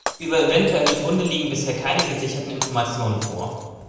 Über eventuelle Funde liegen bisher keine gesicherten Informationen vor.